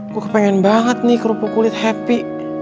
gue pengen banget nih kerupuk kulit happy